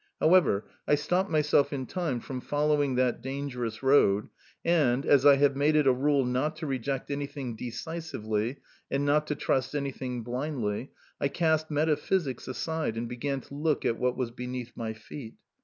However, I stopped myself in time from following that dangerous road, and, as I have made it a rule not to reject anything decisively and not to trust anything blindly, I cast metaphysics aside and began to look at what was beneath my feet.